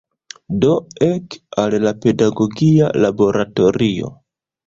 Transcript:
Do ek al la pedagogia laboratorio.